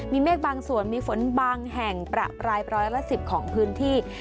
มีเมฆบางส่วนมีฝนบางแห่งประปรายร้อยละ๑๐ของพื้นที่